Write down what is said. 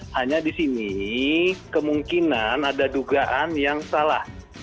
hanya di sini kemungkinan ada dugaan yang salah